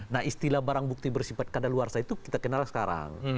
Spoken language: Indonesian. nah istilah barang bukti bersifat keadaan luar sah itu kita kenal sekarang